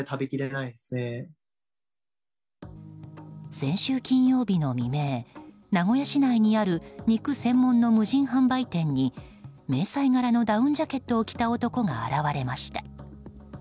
先週金曜日の未明名古屋市内にある肉専門の無人販売店に迷彩柄のダウンジャケットを着た男が現れました。